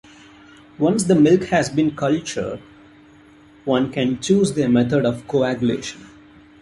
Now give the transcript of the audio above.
Once the milk has been cultured, one can choose their method of coagulation.